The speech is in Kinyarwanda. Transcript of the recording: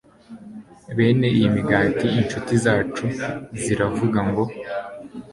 bene iyi migati incuti zacu ziravuga ngo